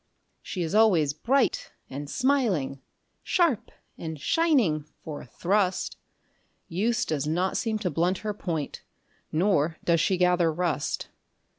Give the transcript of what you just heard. She is always bright and smiling, sharp and shining for a thrust; Use does not seem to blunt her point, nor does she gather rust.